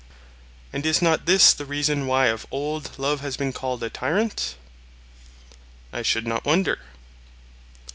And is not this the reason why of old love has been called a tyrant? I should not wonder.